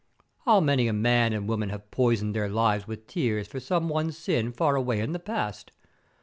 How many a man and woman have poisoned their lives with tears for some one sin far away in the past!